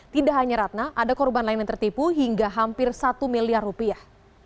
tidak hanya ratna ada korban lain yang tertipu hingga hampir satu miliar rupiah